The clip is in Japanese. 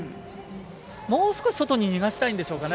もう少し外に逃がしたいんでしょうかね